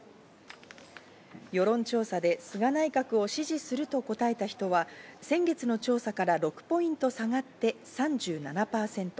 世論調査で菅内閣を支持すると答えた人は先月の調査から６ポイント下がって３７％。